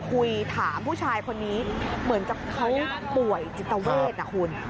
คุยถามผู้ชายคนนี้เหมือนกับเขาป่วยจิตเวทนะคุณ